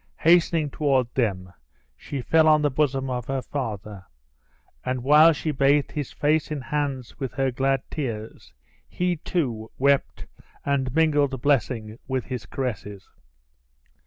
Hastening toward them, she fell on the bosom of her father; and while she bathed his face and hands with her glad tears, he, too, wept, and mingled blessings with his caresses.